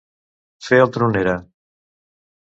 Fer el tronera.